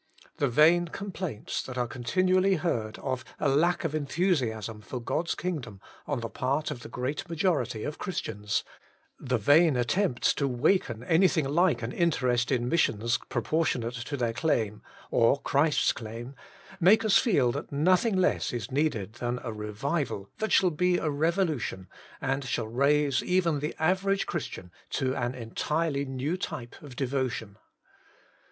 The vain com plaints that are continually heard of a lack of enthusiasm for God's kingdom on the part of the great majority of Christians, the vain attempts to waken anything like an interest in missions proportionate to their claim, or Christ's claim, make us feel that nothing less is needed than a revival that shall be a revolution, and shall raise even the average Christian to an entirely new type of devotion.